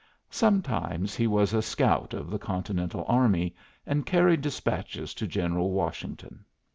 Sometimes he was a scout of the Continental Army and carried despatches to General Washington.